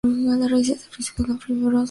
Las raíces son fasciculadas, fibrosas.